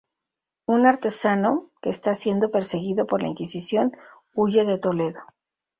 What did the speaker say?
Un artesano, que está siendo perseguido por la Inquisición, huye de Toledo.